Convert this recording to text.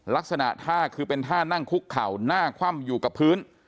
ลักษณะท่าคือเป็นท่านั่งคุกเข่าหน้าคว่ำอยู่กับพื้น